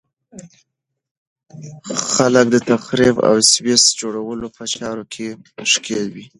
خلک د تخریب او دسیسو جوړولو په چارو کې ښکېل وي.